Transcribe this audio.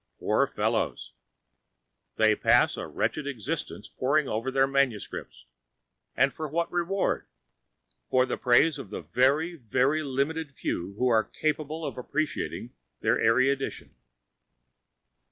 Poor fellows! They pass a wretched existence poring over their manuscripts, and for what reward? For the praise of the very, very limited few who are capable of appreciating their erudition.